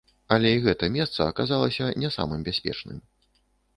Але і гэта месца аказалася не самым бяспечным.